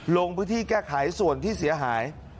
ลงพื้นที่แก้ไขส่วนที่เสียหาย